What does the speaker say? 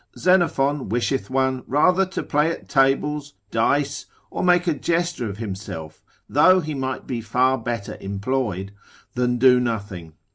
Xenophon wisheth one rather to play at tables, dice, or make a jester of himself (though he might be far better employed) than do nothing.